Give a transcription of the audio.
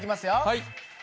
はい。